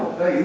có một ý kiến